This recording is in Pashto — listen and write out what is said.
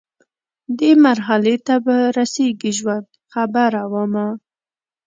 دې مرحلې ته به رسیږي ژوند، خبره ومه